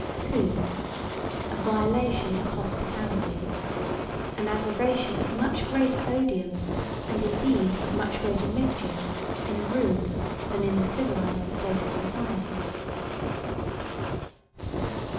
2. A violation of hospitality, an aggravation of much greater odium and indeed of much greater mischief in a rude than in a civilized state of society.